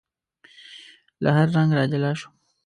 له هر رنګ را جلا شوم